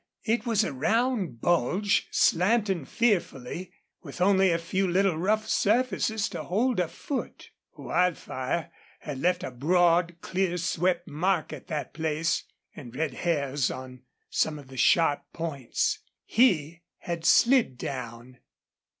It was a round bulge, slanting fearfully, with only a few little rough surfaces to hold a foot. Wildfire had left a broad, clear swept mark at that place, and red hairs on some of the sharp points. He had slid down.